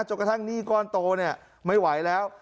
จนกระทั่งหนี้ก้อนโตไม่ไหวแล้ว